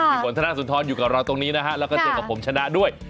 ฝนธนสุนทรอยู่กับเราตรงนี้นะฮะแล้วก็เจอกับผมชนะด้วย